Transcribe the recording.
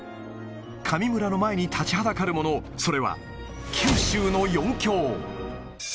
神村の前に立ちはだかるもの、それは、九州の４強。